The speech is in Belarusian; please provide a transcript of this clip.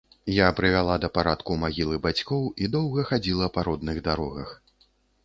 Я прывяла да парадку магілы бацькоў і доўга хадзіла па родных дарогах.